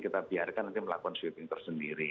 kita biarkan nanti melakukan sweeping tersendiri